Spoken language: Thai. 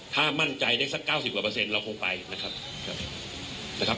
ถ้ามั่นใจได้สัก๙๐เราคงไปนะครับ